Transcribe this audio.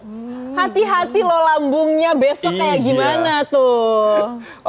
hati hati loh lambungnya besok kayak gimana tuh